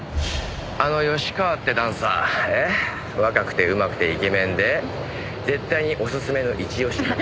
あの芳川ってダンサー若くてうまくてイケメンで絶対におすすめの一押し。